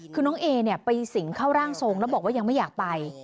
คือน้องเอเนี่ยไปสิงเข้าร่างทรงแล้วบอกว่ายังไม่อยากไป